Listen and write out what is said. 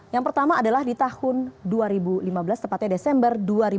yang pertama adalah di tahun dua ribu lima belas tepatnya desember dua ribu dua